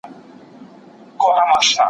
سوله د خوارځواکو لپاره هم یقین لري.